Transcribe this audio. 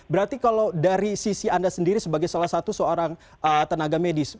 berarti kalau dari sisi anda sendiri sebagai salah satu seorang tenaga medis